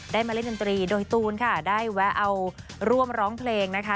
มาเล่นดนตรีโดยตูนค่ะได้แวะเอาร่วมร้องเพลงนะคะ